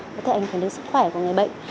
có thể ảnh hưởng đến sức khỏe của người bệnh